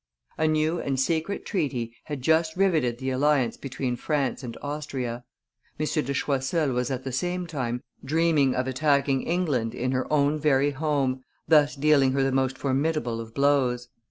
A new and secret treaty had just riveted the alliance between France and Austria. M. de Choiseul was at the same time dreaming of attacking England in her own very home, thus dealing her the most formidable of blows.